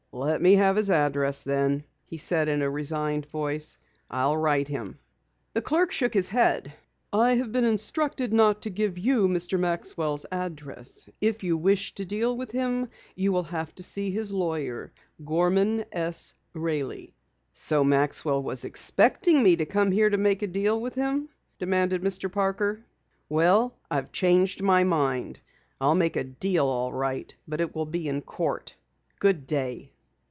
"Let me have his address then," he said in a resigned voice. "I'll write him." The clerk shook his head. "I have been instructed not to give you Mr. Maxwell's address. If you wish to deal with him you will have to see his lawyer, Gorman S. Railey." "So Maxwell was expecting me to come here to make a deal with him?" demanded Mr. Parker. "Well, I've changed my mind. I'll make a deal all right, but it will be in court. Good day!"